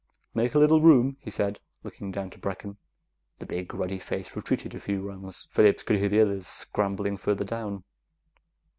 "Make a little room," he said, looking down to Brecken. The big, ruddy face retreated a few rungs. Phillips could hear the others scrambling further down.